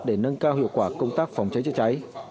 để nâng cao hiệu quả công tác phòng cháy chữa cháy